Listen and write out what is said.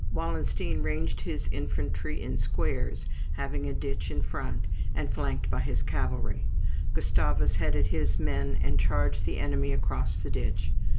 Wallenstein ranged his infantry in squares, having a ditch in front, and flanked by his cavalry. Gustavus headed his men and charged the enemy across the ditch.